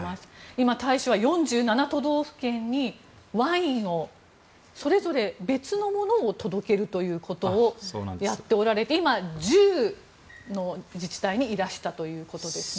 今、大使は４７都道府県にワインをそれぞれ別のものを届けるということをやっておられて今、１０の自治体にいらしたということですね。